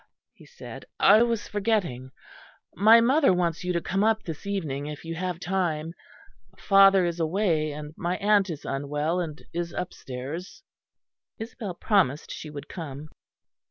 he said, "I was forgetting. My mother wants you to come up this evening, if you have time. Father is away, and my aunt is unwell and is upstairs." Isabel promised she would come.